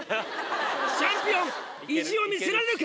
チャンピオン意地を見せられるか？